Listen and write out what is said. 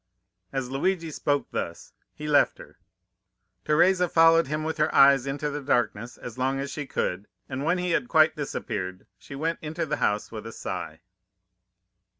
As Luigi spoke thus, he left her. Teresa followed him with her eyes into the darkness as long as she could, and when he had quite disappeared, she went into the house with a sigh.